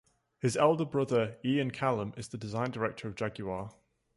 His elder brother Ian Callum is the Design Director of Jaguar.